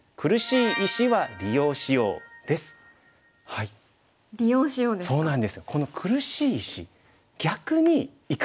「利用しよう」ですか。